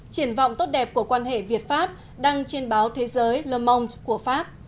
triển vọng tốt đẹp của quan hệ việt pháp đăng trên báo thế giới le monde của pháp